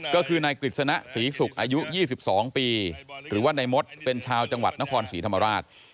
ก็คือนายกฤษณะศรีศุกร์อายุ๒๒ปีหรือว่านายมดเป็นชาวจังหวัดนครศรีธรรมราช